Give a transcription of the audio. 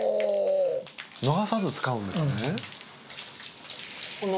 逃さず使うんですね。